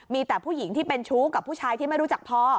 มีแต่ผู้หญิงที่เป็นชู้กับผู้ชายที่ไม่รู้จักพอ